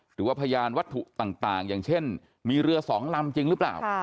หรือว่าพยานวัตถุต่างอย่างเช่นมีเรือสองลำจริงหรือเปล่า